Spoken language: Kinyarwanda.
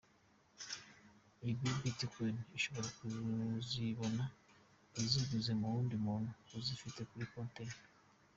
Izi bitcoins ushobora kuzibona uziguze ku wundi muntu uzifite kuri konti ye.